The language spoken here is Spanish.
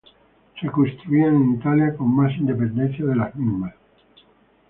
Se construían en Italia con más independencia de las mismas.